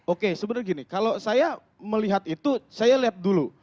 oke sebenarnya gini kalau saya melihat itu saya lihat dulu